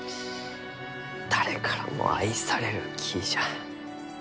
誰からも愛される木じゃ。